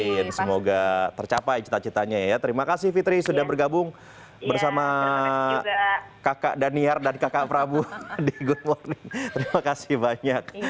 baik semoga tercapai cita citanya ya terima kasih fitri sudah bergabung bersama kakak daniar dan kakak prabu di good morning terima kasih banyak